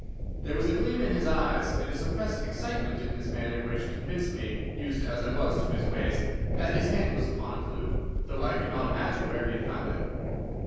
There was a gleam in his eyes and a suppressed excitement in his manner which convinced me, used as I was to his ways, that his hand was upon a clue, though I could not imagine where he had found it.